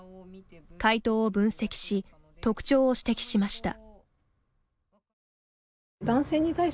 回答を分析し特徴を指摘しました。